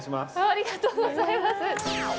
ありがとうございます。